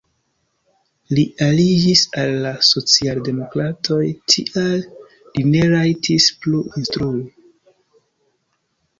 Li aliĝis al la socialdemokratoj, tial li ne rajtis plu instrui.